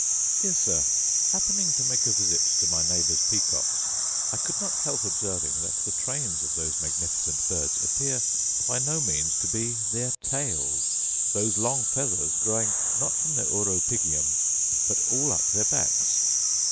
Dear Sir, Happening to make a visit to my neighbour's peacocks, I could not help observing that the trains of those magnificent birds appear by no means to be their tails; those long feathers growing not from their uropygium, but all up their backs.